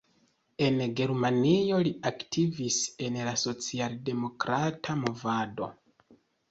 En Germanio li aktivis en la socialdemokrata movado.